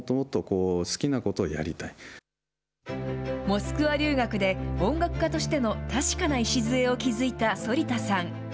モスクワ留学で、音楽家としての確かな礎を築いた反田さん。